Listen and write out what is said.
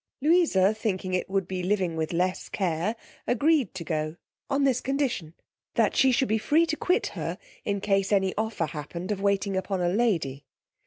Louisa thinking it would be living with less care, agreed to go, on this condition, that she should be free to quit her in case any offer happened of waiting upon a lady.